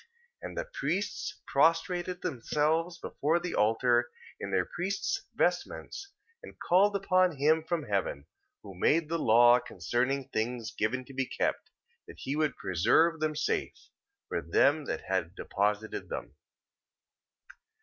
3:15. And the priests prostrated themselves before the altar in their priests' vestments, and called upon him from heaven, who made the law concerning things given to be kept, that he would preserve them safe, for them that had deposited them.